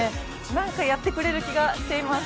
なんかやってくれる気がしています。